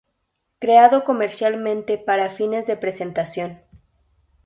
Creado comercialmente para fines de presentación.